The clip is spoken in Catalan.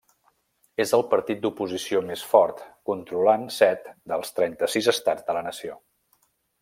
És el partit d'oposició més fort, controlant set dels trenta-sis estats de la nació.